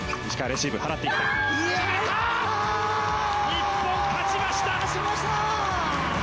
日本、勝ちました！